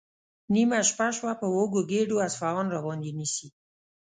نیمه شپه شوه، په وږو ګېډو اصفهان راباندې نیسي؟